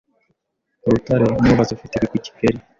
Rutare, umwubatsi ufite ibigwi i Kigali